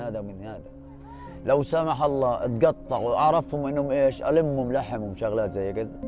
daba dan suar berkata